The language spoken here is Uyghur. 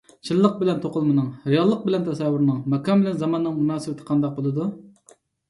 چىنلىق بىلەن توقۇلمىنىڭ، رېئاللىق بىلەن تەسەۋۋۇرنىڭ، ماكان بىلەن زاماننىڭ مۇناسىۋىتىنى قانداق بولىدۇ؟